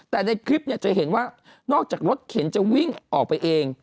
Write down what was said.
แต่ในคลิปจะเห็นว่านอกจากรถเข็นจะวิ่งออกไปเอง